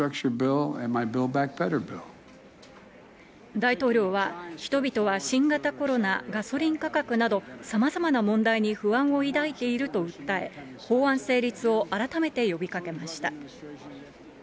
大統領は、人々は新型コロナ、ガソリン価格など、さまざまな問題に不安を抱いていると訴え、法案成立を改めて呼びかけました。